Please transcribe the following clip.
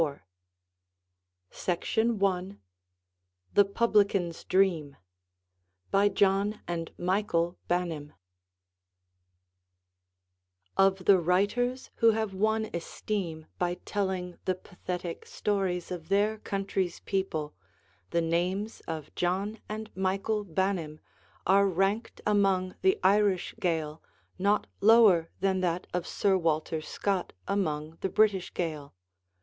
Appleton and Company, New York. JOHN AND MICHAEL BANIM (1798 1846) (1796 1874) Of the writers who have won esteem by telling the pathetic stories of their country's people, the names of John and Michael Banim are ranked among the Irish Gael not lower than that of Sir Walter Scott among the British Gael.